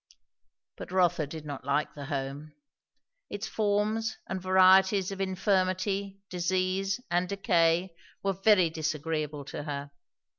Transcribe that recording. But Rotha did not like the Home. Its forms and varieties of infirmity, disease, and decay, were very disagreeable to her.